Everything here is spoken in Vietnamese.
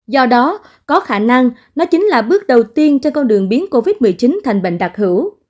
do đó có khả năng nó chính là bước đầu tiên cho con đường biến covid một mươi chín thành bệnh đặc hữu